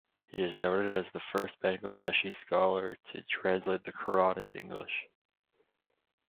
He is noted as the first Bangladeshi scholar to translate the Quran into English.